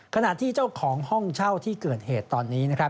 ขณะที่เจ้าของห้องเช่าที่เกิดเหตุตอนนี้นะครับ